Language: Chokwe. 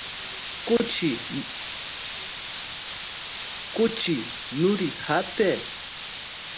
Kuchi, nuli ape?